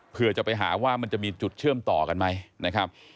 เพื่อจะไปหาว่ามันจะมีจุดเชื่อมต่อกันไหมนะครับ